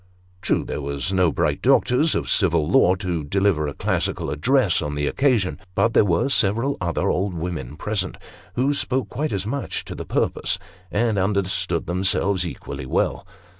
True, there was no bright doctor of civil law to deliver a classical address on the occasion ; but there were several other old women present, who spoke quite as much to the purpose, and understood themselves equally well.